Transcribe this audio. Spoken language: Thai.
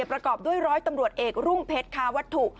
ประกอบด้วยร้อยตำรวจเอกรุ่งเพชรคาวัตถุ